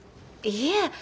いえ。